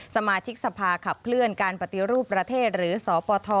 สมาชิกสภาขับเคลื่อนการปฏิรูปประเทศหรือสปท